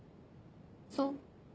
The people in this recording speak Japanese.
そう？